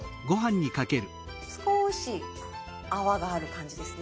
少し泡がある感じですね